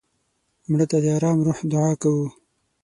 مړه ته د ارام روح دعا کوو